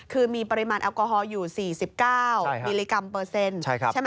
คือมีปริมาณแอลกอฮอลอยู่๔๙มิลลิกรัมเปอร์เซ็นต์ใช่ไหม